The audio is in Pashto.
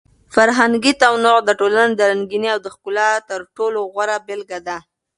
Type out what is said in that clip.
فرهنګي تنوع د ټولنې د رنګینۍ او د ښکلا تر ټولو غوره بېلګه ده.